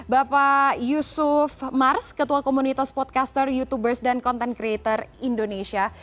bapak yusuf mars ketua komunitas podcaster youtubers dan content creator indonesia